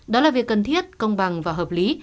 đó là việc cần thiết công bằng và hợp lý